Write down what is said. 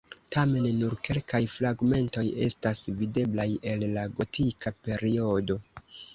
Tamen nur kelkaj fragmentoj estas videblaj el la gotika periodo.